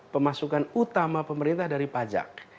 pemasukan utama pemerintah dari pajak